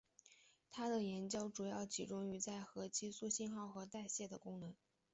他的研究主要集中在核激素信号和代谢的功能。